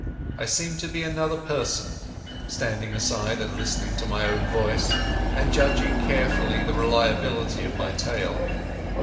I seemed to be another person, standing aside and listening to my own voice, and judging carefully the reliability of my tale.